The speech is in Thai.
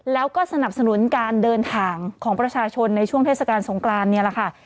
แล้วก็สนับสนุนการเดินทางของประชาชนในช่วงเทศกาลสงกรานนี่แหละค่ะ